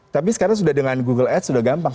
tapi sekarang sudah dengan google ad sudah gampang